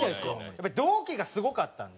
やっぱり同期がすごかったんで。